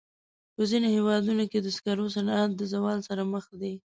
په ځینو هېوادونو کې د سکرو صنعت د زوال سره مخ دی.